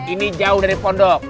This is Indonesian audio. ini jauh dari pondok